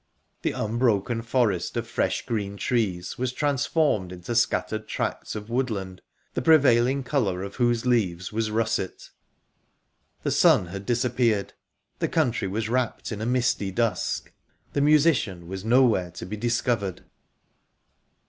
The unbroken forest of fresh green trees was transformed into scattered tracts of woodland, the prevailing colour of whose leaves was russet. The sun had disappeared; the country was wrapped in a misty dusk. The musician was nowhere to be discovered.